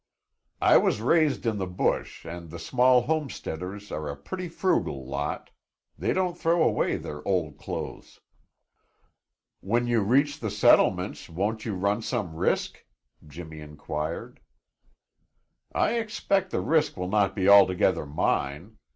"I was raised in the bush and the small homesteaders are a pretty frugal lot. They don't throw away their old clothes." "When you reach the settlements, won't you run some risk?" Jimmy inquired. "I expect the risk will not be altogether mine.